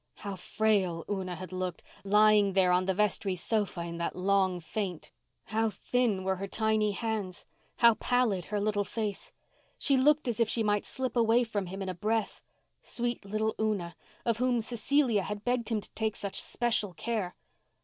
How frail Una had looked, lying there on the vestry sofa in that long faint! How thin were her tiny hands, how pallid her little face! She looked as if she might slip away from him in a breath—sweet little Una, of whom Cecilia had begged him to take such special care.